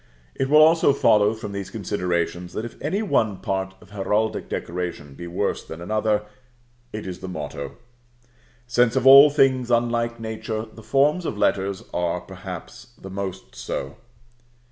It will also follow, from these considerations, that if any one part of heraldic decoration be worse than another, it is the motto; since, of all things unlike nature, the forms of letters are, perhaps, the most so.